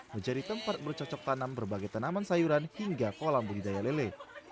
menjadi tempat bercocok tanam berbagai tanaman sayuran hingga kolam budidaya lele